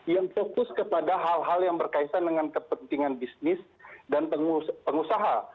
yang fokus kepada hal hal yang berkaitan dengan kepentingan bisnis dan pengusaha